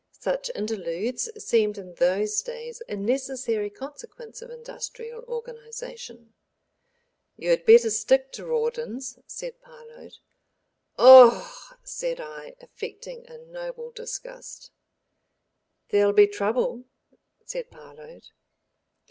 Such interludes seemed in those days a necessary consequence of industrial organization. "You'd better stick to Rawdon's," said Parload. "Ugh," said I, affecting a noble disgust. "There'll be trouble," said Parload.